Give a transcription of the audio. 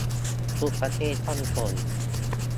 ทุกประเทศต้องส่ง